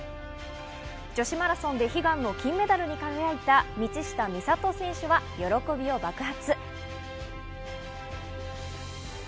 女子マラソンで悲願の金メダルに輝いた道下美里選手は喜びを爆発。